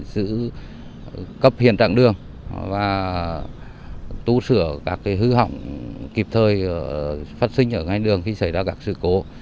giữ cấp hiện trạng đường và tu sửa các hư hỏng kịp thời phát sinh ở ngay đường khi xảy ra các sự cố